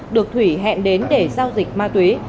được thủy hẹn đến để giao dịch ma túy